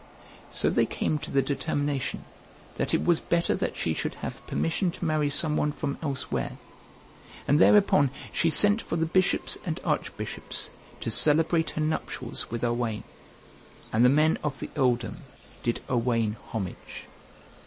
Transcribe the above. So they came to the determination that it was better that she should have permission to marry some one from elsewhere; and thereupon she sent for the bishops and archbishops, to celebrate her nuptials with Owain. And the men of the earldom did Owain homage.